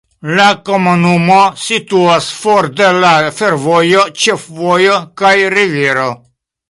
La komunumo situas for de la fervojo, ĉefvojo kaj rivero.